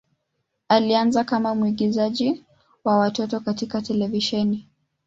Alianza kama mwigizaji wa watoto katika televisheni.